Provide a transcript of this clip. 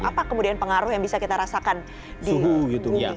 apa kemudian pengaruh yang bisa kita rasakan di publik